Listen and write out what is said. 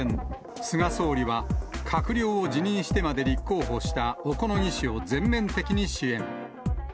菅総理は閣僚を辞任してまで立候補した小此木氏を全面的に支援。